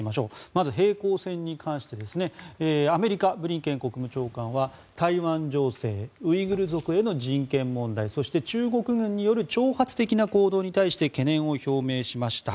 まず、平行線に関してアメリカのブリンケン国務長官は台湾情勢ウイグル族への人権問題そして、中国軍による挑発的な行動に対して懸念を表明しました。